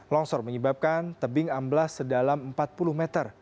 longsor menyebabkan tebing amblas sedalam empat puluh meter